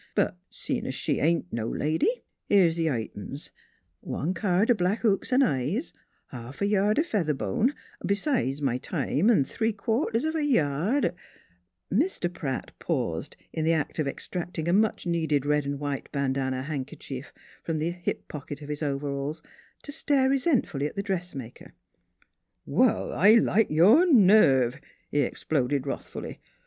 But seein' she ain't no lady, here's th' items: One card o' black hooks 'n' eyes; half a yard o' featherbone, b'sides m' time an' three quarters of a yard o' " NEIGHBORS 5 Mr. Pratt paused in the act of extracting a much needed red and white bandana handkerchief from the hip pocket of his overalls to stare re sentfully at the dressmaker. " Wall, I like your nerve !" he exploded wrath fully.